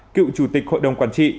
cựu chủ tịch hội đồng quản trị